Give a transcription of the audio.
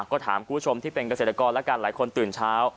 ก็ถามคุณผู้ชมที่เป็นเกษตรกรแล้วกันหลายคนตื่นเช้า